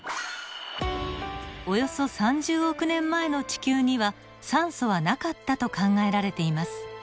およそ３０億年前の地球には酸素はなかったと考えられています。